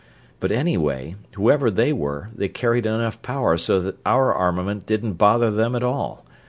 But anyway, whoever they were, they carried enough power so that our armament didn't bother them at all.